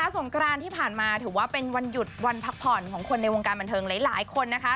สงกรานที่ผ่านมาถือว่าเป็นวันหยุดวันพักผ่อนของคนในวงการบันเทิงหลายคนนะคะ